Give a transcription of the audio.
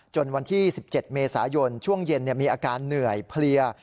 วันที่๑๗เมษายนช่วงเย็นมีอาการเหนื่อยเพลีย